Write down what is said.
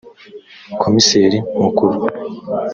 komiseri mukuru